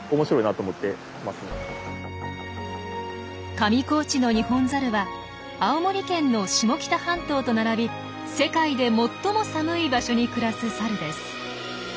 上高地のニホンザルは青森県の下北半島と並び世界で最も寒い場所に暮らすサルです。